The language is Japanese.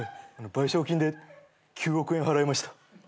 賠償金で９億円払いました。